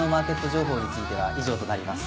情報については以上となります。